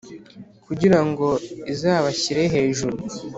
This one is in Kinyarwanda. Kugira ngo izabashyire hejuru